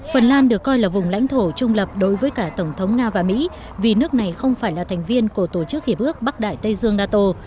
phần lan được coi là vùng lãnh thổ trung lập đối với cả tổng thống nga và mỹ vì nước này không phải là thành viên của tổ chức hiệp ước bắc đại tây dương nato